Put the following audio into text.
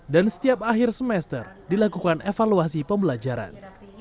dan setiap akhir semester dilakukan evaluasi pembelajaran